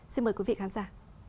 xin mời quý vị khán giả